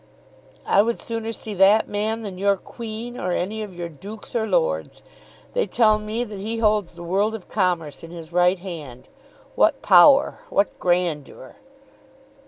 "I would sooner see that man than your Queen, or any of your dukes or lords. They tell me that he holds the world of commerce in his right hand. What power; what grandeur!"